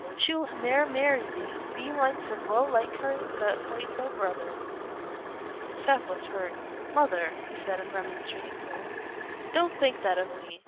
She'll ne'er marry thee; thee mightst as well like her t' ha' thy brother." Seth was hurt. "Mother," he said, in a remonstrating tone, "don't think that of me.